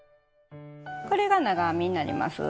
これが長編みになります。